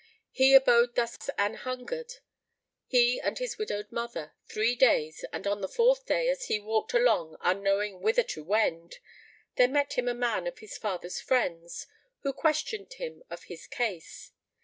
He abode thus anhungred, he and his widowed mother, three days, and on the fourth day, as he walked along, unknowing whither to wend, there met him a man of his father's friends, who questioned him of his case.